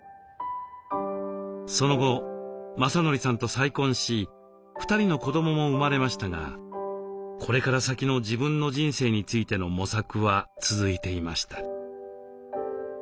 その後正憲さんと再婚し２人の子どもも生まれましたがこれから先の自分の人生についての模索は続いていました。